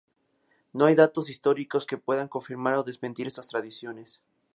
No hay datos históricos que puedan confirmar o desmentir estas tradiciones.